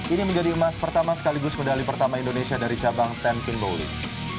ini menjadi emas pertama sekaligus medali pertama indonesia dari cabang ten pin bowling